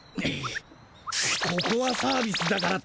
ここはサービスだからって。